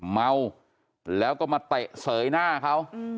เมาแล้วก็มาเตะเสยหน้าเขา